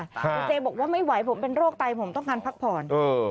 คุณเจบอกว่าไม่ไหวผมเป็นโรคไตผมต้องการพักผ่อน